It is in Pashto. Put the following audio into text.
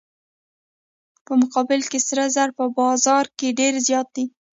په مقابل کې سره زر په بازار کې ډیر زیات دي.